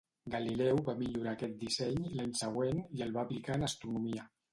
Galileu va millorar aquest disseny l'any següent i el va aplicar en astronomia.